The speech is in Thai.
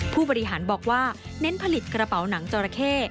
ผู้บริหารบอกว่าเน้นผลิตกระเป๋าหนังจราเข้